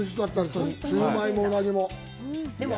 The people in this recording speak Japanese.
シューマイもウナギも。